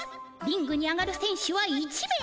リングに上がるせん手は１名。